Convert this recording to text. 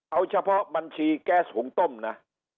เอาเฉพาะบัญชีแก๊สหุงต้มนะ